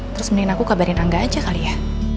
terus mendingin aku kabarin angga aja kali ya